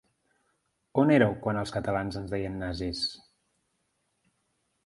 On éreu quan als catalans ens deien nazis?